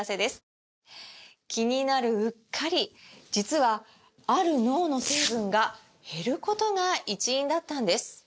気になるうっかり実はある脳の成分が減ることが一因だったんです